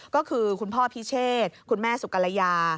ก็คือคุณพ่อพิเชษคุณแม่สุกรยา